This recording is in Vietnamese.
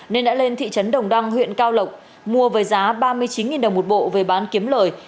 nên đã lên thị trấn đồng đăng huyện cao lộc mua với giá ba mươi chín đồng một bộ về bán kiếm lời